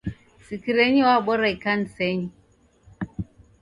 Sikirenyi w'abora ikanisenyi.